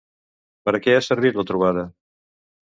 Per a què ha servit la trobada?